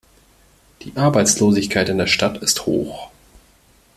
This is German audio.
Die Arbeitslosigkeit in der Stadt ist hoch.